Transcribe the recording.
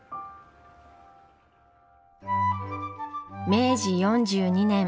明治４２年。